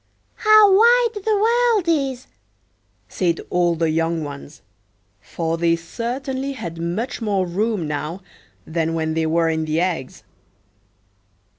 "How wide the world is!" said all the young ones, for they certainly had much more room now than when they were in the eggs.